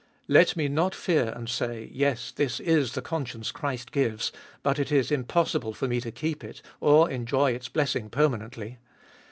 Let me not fear and say, Yes, this Is the conscience Christ gives, but it is impossible for me to keep it or enjoy its blessing per manently.